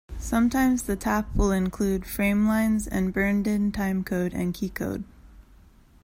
Sometimes the tap will include frame lines and burned in timecode and keykode.